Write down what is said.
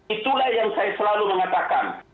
itulah yang saya selalu mengatakan